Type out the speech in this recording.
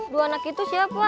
dua anak itu siapa